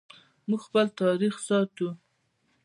موږ خپل تاریخ ساتو